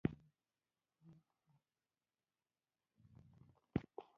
ملک صاحب ته یې له بهره غبرګې جنازې راوړلې